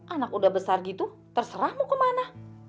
anak udah besar gitu terserah mau kemana